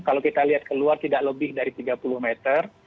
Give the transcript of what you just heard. kalau kita lihat keluar tidak lebih dari tiga puluh meter